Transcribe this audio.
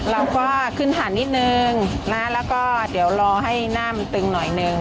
เราก็ขึ้นหันนิดนึงนะแล้วก็เดี๋ยวรอให้หน้ามันตึงหน่อยนึง